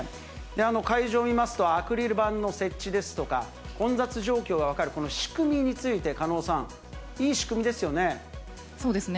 会場を見ますと、アクリル板の設置ですとか、混雑状況が分かる仕組みについて、狩野さん、いい仕組みですよね。